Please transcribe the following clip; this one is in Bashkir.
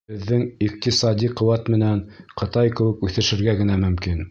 Беҙҙең иҡтисади ҡеүәт менән Ҡытай кеүек үҫешергә генә мөмкин.